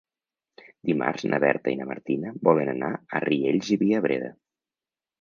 Dimarts na Berta i na Martina volen anar a Riells i Viabrea.